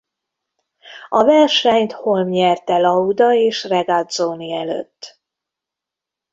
A versenyt Hulme nyerte Lauda és Regazzoni előtt.